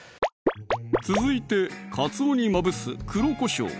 続いてかつおにまぶす黒こしょう